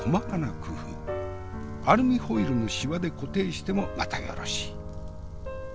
アルミホイルのシワで固定してもまたよろし。